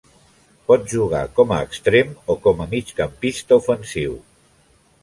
Pot jugar com a extrem o com a migcampista ofensiu.